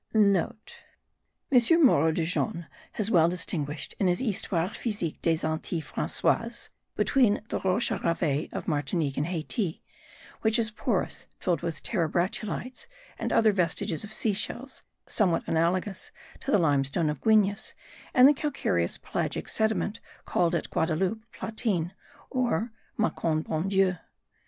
*(* M. Moreau de Jonnes has well distinguished, in his Histoire physique des Antilles Francoises, between the Roche a ravets of Martinique and Hayti, which is porous, filled with terebratulites, and other vestiges of sea shells, somewhat analogous to the limestone of Guines and the calcareous pelagic sediment called at Guadaloupe Platine, or Maconne bon Dieu.